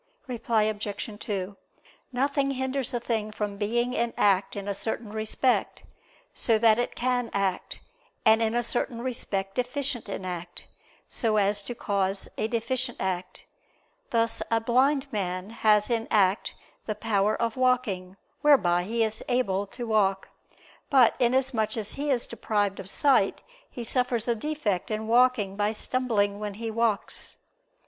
Reply Obj. 2: Nothing hinders a thing from being in act in a certain respect, so that it can act; and in a certain respect deficient in act, so as to cause a deficient act. Thus a blind man has in act the power of walking, whereby he is able to walk; but inasmuch as he is deprived of sight he suffers a defect in walking by stumbling when he walks.